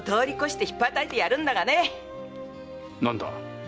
何だ？